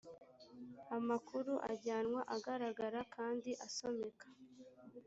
amakuru ajyanwa agaragara kandi asomeka